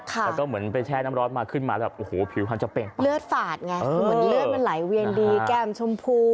แต่ก็เหมือนไปแช่น้ำร้อนมาขึ้นมาหัวผิวก็จะเปเลยเลือดฝาดไงเลือดมันไหลเวียนดีแก้มชมพู